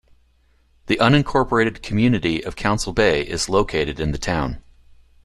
The unincorporated community of Council Bay is located in the town.